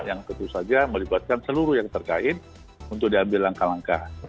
yang tentu saja melibatkan seluruh yang terkait untuk diambil langkah langkah